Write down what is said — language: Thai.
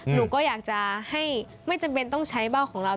หนูก็อยากจะให้ไม่จำเป็นต้องใช้เบ้าของเรา